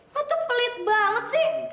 aku tuh pelit banget sih